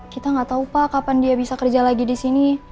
kita nggak tahu pak kapan dia bisa kerja lagi di sini